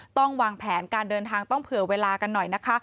ต้องวางแผนการเดินทางต้องเผื่อเวลากันหน่อยนะคะ